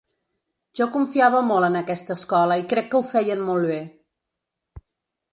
Jo confiava molt en aquesta escola i crec que ho feien molt bé.